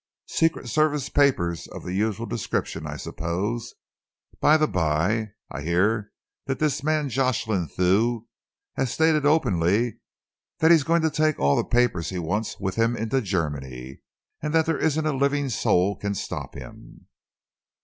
"Secret Service papers of the usual description, I suppose. By the by, I hear that this man Jocelyn Thew has stated openly that he is going to take all the papers he wants with him into Germany, and that there isn't a living soul can stop him."